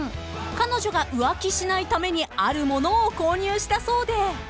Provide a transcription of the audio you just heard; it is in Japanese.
［彼女が浮気しないためにあるものを購入したそうで］